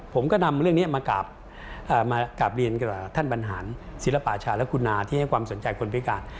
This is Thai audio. ผมก็นำเรื่องนี้มากราบเรียนกับท่านบรรหารศิลปาชาและคุณนาที่ให้ความสนใจคนพิการ